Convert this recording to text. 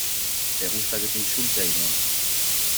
¿ te gusta que te insulte, Ainhoa?